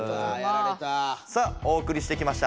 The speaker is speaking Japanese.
さあお送りしてきました